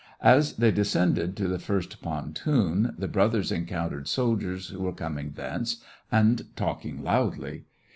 As they descended to the first pontoon, the brothers encountered soldiers who were coming thence, and talking loudly.